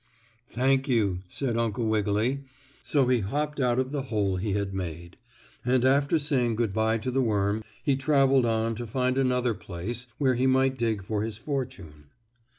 "Thank you," said Uncle Wiggily, so he hopped out of the hole he had made, and, after saying good bye to the worm, he traveled on to find another place where he might dig for his fortune.